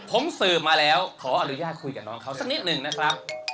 ผมสืบมาแล้วขออนุญาตคุยกับน้องเขาสักนิดหนึ่งนะครับ